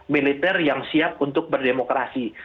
militer yang siap untuk berdemokrasi